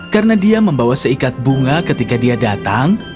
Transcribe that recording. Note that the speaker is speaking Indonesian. karena dia membawa seikat bunga ketika dia datang